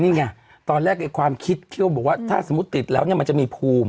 นี่ไงตอนแรกในความคิดที่เขาบอกว่าถ้าสมมุติติดแล้วเนี่ยมันจะมีภูมิ